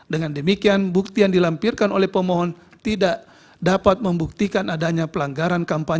dengan demikian bukti yang dilampirkan oleh pemohon tidak dapat membuktikan adanya pelanggaran kampanye